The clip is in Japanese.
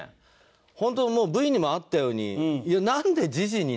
本当にもうＶにもあったように。